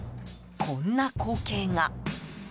こんな光景が。